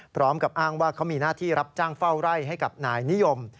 พร้อมกับอ้างว่าเขามีหน้าที่รับจ้างเฝ้าไร่ให้กับนายนิยม